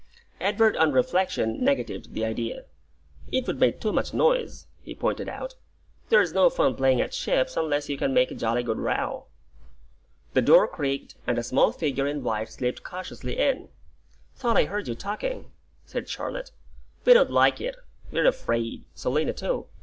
Edward on reflection negatived the idea. "It would make too much noise," he pointed out. "There's no fun playing at ships, unless you can make a jolly good row." The door creaked, and a small figure in white slipped cautiously in. "Thought I heard you talking," said Charlotte. "We don't like it; we're afraid Selina too.